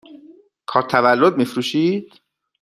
کارت تولد می فروشید؟